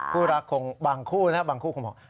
คู่รักคงบางคู่นะบางคู่คงบอก